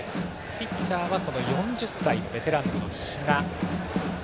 ピッチャーは４０歳、ベテランの比嘉。